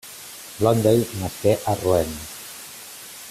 Blondel nasqué a Rouen.